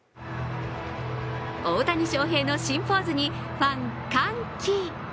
大谷翔平の新ポーズにファン歓喜。